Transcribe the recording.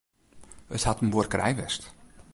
It hat in buorkerij west.